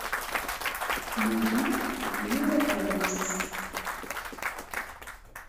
Yuba d yir aterras.